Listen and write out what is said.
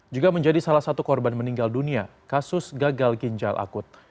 juga menjadi salah satu korban meninggal dunia kasus gagal ginjal akut